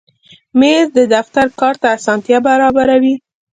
مېز د دفتر کار ته اسانتیا برابروي.